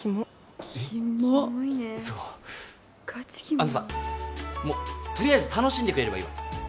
あのさもうとりあえず楽しんでくれればいいわ